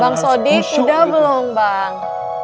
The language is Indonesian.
bang sadiq udah belum bang